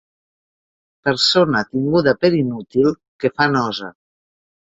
Persona tinguda per inútil, que fa nosa.